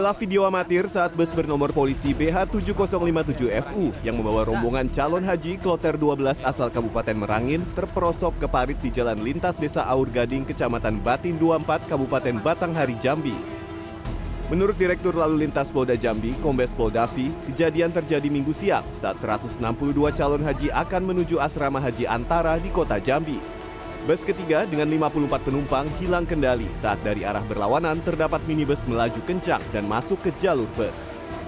hilang kendali saat dari arah berlawanan terdapat minibus melaju kencang dan masuk ke jalur bus